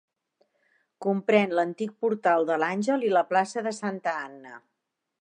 Comprèn l'antic portal de l'Àngel i la plaça de Santa Anna.